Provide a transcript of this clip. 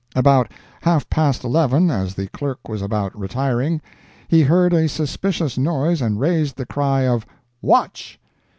About half past eleven, as the clerk was about retiring, he heard a suspicious noise and raised the cry of "Watch!"